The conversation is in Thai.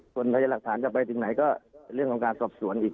คนไทยหลักฐานจะไปถึงไหนก็เรียกของการสอบส่วนอีก